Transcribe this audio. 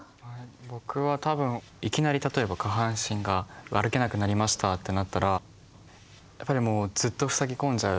僕は多分いきなり例えば下半身が歩けなくなりましたってなったらやっぱりもうずっとふさぎ込んじゃうのかなって思って。